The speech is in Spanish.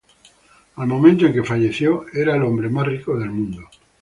Al momento en que falleció, era el hombre más rico del mundo.